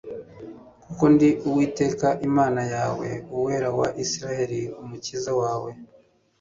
Kuko ndi Uwiteka Imana yawe, Uwera wa Isirayeli, Umukiza wawe."